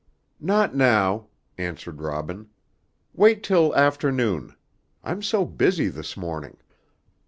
"Not now," answered Robin. "Wait till afternoon. I am so busy this morning."